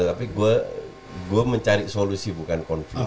tapi gue mencari solusi bukan konflik